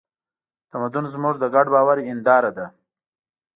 تمدن زموږ د ګډ باور هینداره ده.